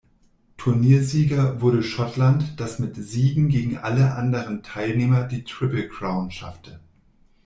Turniersieger wurde Schottland, das mit Siegen gegen alle anderen Teilnehmer die Triple Crown schaffte.